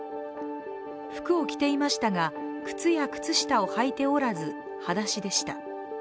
服を着ていましたが、靴や靴下をはいておらず、裸足でした。